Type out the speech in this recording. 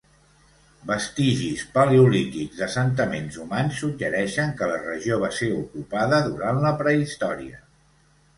Vestigis paleolítics d"assentaments humans suggereixen que la regió va ser ocupada durant la prehistòria.